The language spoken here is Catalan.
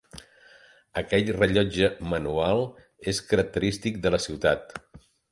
Aquell rellotge manual és característic de la ciutat.